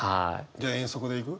じゃあ遠足でいく？